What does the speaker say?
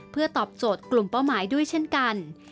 เพื่อตอบโจทย์กลุ่มเป้าหมายด้วยเช่นกัน